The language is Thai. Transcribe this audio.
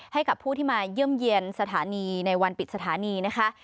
ให้กับผู้ที่มาเยี่ยมเยี่ยนสถานีในวันปิดสถานีนะคะ